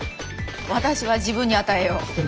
私は自分に与えよう！